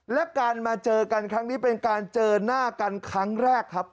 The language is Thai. และการมาเจอกันครั้งนี้เป็นการเจอหน้ากันครั้งแรกครับ